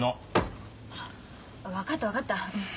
分かった分かった。